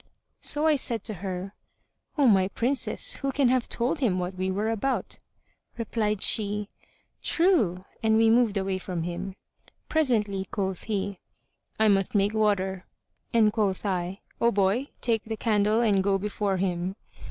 So I said to her, "O my princess, who can have told him what we were about?" Replied she, "True," and we moved away from him. Presently quoth he, "I must make water;" and quoth I, "O boy, take the candle and go before him."